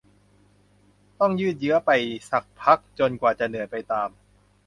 ต้องยืดเยื้อไปสักพักจนกว่าจะเหนื่อยไปตาม